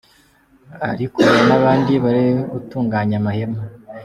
Ariko hari n’abandi bari bagitunganya amahema.